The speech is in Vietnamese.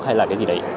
hay là cái gì đấy